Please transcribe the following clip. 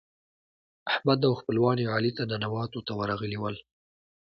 احمد او خپلوان يې علي ته ننواتو ته ورغلي ول.